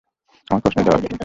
আমার প্রশ্নের জবাব দিন।